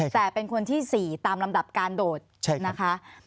แต่เป็นคนที่๔ตามลำดับการโดดนะคะ